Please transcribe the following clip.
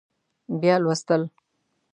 بیا لوستل